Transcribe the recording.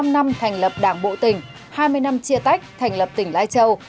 bảy mươi năm năm thành lập đảng bộ tỉnh hai mươi năm chia tách thành lập tỉnh lai châu